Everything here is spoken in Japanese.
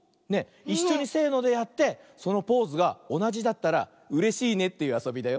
いっしょにせのでやってそのポーズがおなじだったらうれしいねというあそびだよ。